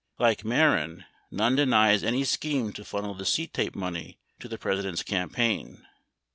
Like Mehren, Nunn denies any scheme to funnel the CTAPE money to the, President's campaign.